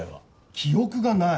記憶がない？